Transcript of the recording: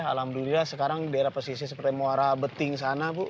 alhamdulillah sekarang daerah pesisir seperti muara beting sana bu